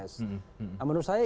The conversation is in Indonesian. nah menurut saya ini juga berimbasan